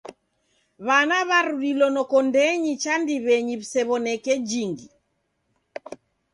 W'ana w'arudilo nokondenyi cha ndiw'enyi w'isew'oneke jingi.